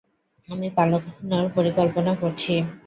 আমি পালানোর পরিকল্পনা করছি।